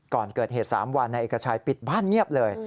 ก่อนเกิดเหตุ๓วันนายเอกชัยปิดบ้านเงียบเลย